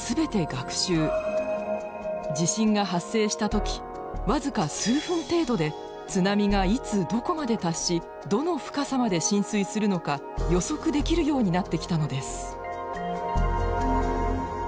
地震が発生した時僅か数分程度で津波がいつどこまで達しどの深さまで浸水するのか予測できるようになってきたのです。